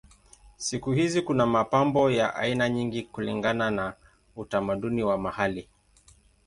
Siku hizi kuna mapambo ya aina nyingi kulingana na utamaduni wa mahali.